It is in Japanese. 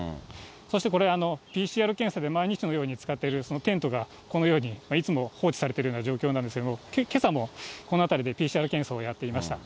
そしてこれ、ＰＣＲ検査で毎日のように使っているテントがこのように、いつも放置されているような状況なんですけど、けさもこの辺りでＰＣＲ検査をやっていました。